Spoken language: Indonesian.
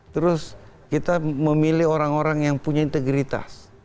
terus kita memilih orang orang yang punya integritas